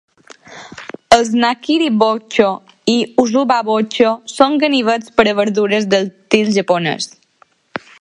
Els "nakiri bocho" i "usuba bocho" són ganivets per a verdures d'estil japonès.